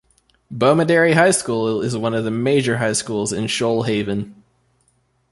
Bomaderry High School is one of the major high schools in the Shoalhaven.